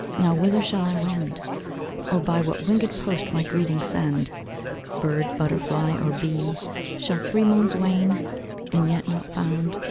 Now whither shall I wend, Or by what wingèd post my greeting send, Bird, butterfly, or bee? Shall three moons wane, And yet not found?